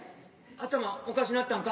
頭おかしなったんか？